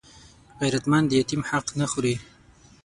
غیرتمند د یتیم حق نه خوړوي